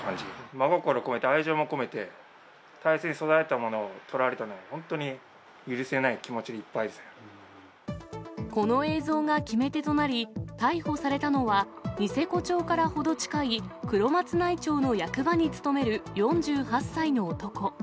真心込めて、愛情も込めて大切に育てたものをとられたので、本当に許せない気この映像が決め手となり、逮捕されたのは、ニセコ町からほど近い黒松内町の役場に勤める４８歳の男。